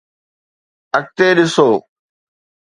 اڳتي ڏسو